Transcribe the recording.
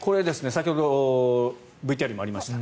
先ほどＶＴＲにもありました。